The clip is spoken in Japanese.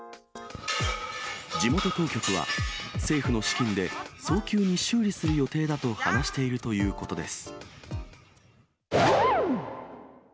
地元当局は、政府の資金で早急に修理する予定だと話しているということです。